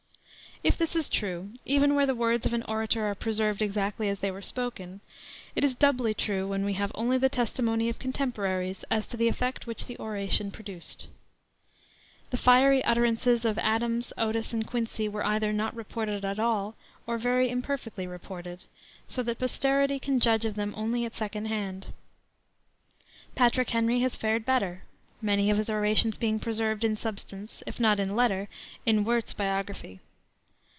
If this is true, even where the words of an orator are preserved exactly as they were spoken, it is doubly true when we have only the testimony of contemporaries as to the effect which the oration produced. The fiery utterances of Adams, Otis, and Quincy were either not reported at all or very imperfectly reported, so that posterity can judge of them only at second hand. Patrick Henry has fared better, many of his orations being preserved in substance, if not in the letter, in Wirt's biography.